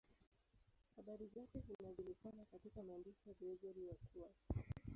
Habari zake zinajulikana katika maandishi ya Gregori wa Tours.